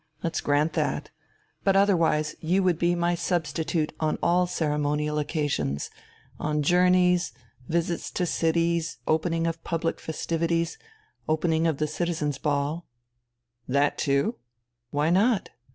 Let's grant that. But otherwise you would be my substitute on all ceremonial occasions, on journeys, visits to cities, opening of public festivities, opening of the Citizens' Ball...." "That too?" "Why not?